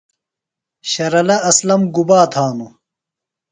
شرلہ اسلم گُبا تھا نوۡ؟